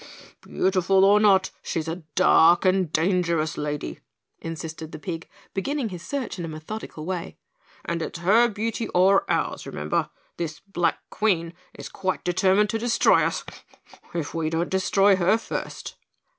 "Beautiful or not, she's a dark and dangerous lady," insisted the pig, beginning his search in a methodical way, "and it's her beauty or ours, remember, this Black Queen is quite determined to destroy us, if we don't destroy her first."